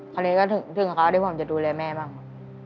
ทีนี้ก็ถึงคราวที่ผมจะดูแลแม่บ้าง